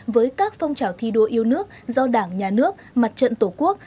với các phong trào thi đua yêu nước do đảng nhà nước mặt trận tổ quốc